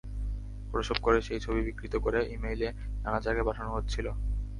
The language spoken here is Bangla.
ফটোশপ করে সেই ছবি বিকৃত করে ই-মেইলে নানা জায়গায় পাঠানো হচ্ছিল।